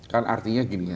kan artinya gini